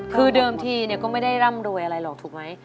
คือเดิมทีก็ไม่ได้ร่ำรวยอะไรหรอกถูกไหม